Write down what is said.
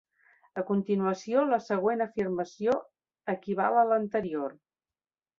A continuació, la següent afirmació equival a l'anterior.